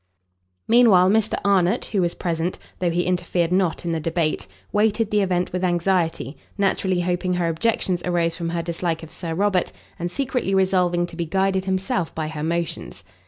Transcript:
Mean while Mr Arnott, who was present, though he interfered not in the debate, waited the event with anxiety; naturally hoping her objections arose from her dislike of Sir Robert, and secretly resolving to be guided himself by her motions.